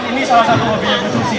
ini salah satu hobinya bu susi